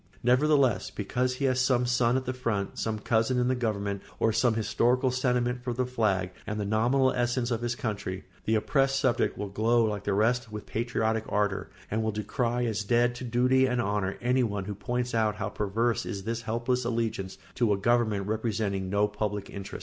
Nevertheless, because he has some son at the front, some cousin in the government, or some historical sentiment for the flag and the nominal essence of his country, the oppressed subject will glow like the rest with patriotic ardour, and will decry as dead to duty and honour anyone who points out how perverse is this helpless allegiance to a government representing no public interest.